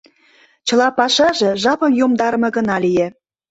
Чыла пашаже жапым йомдарыме гына лие.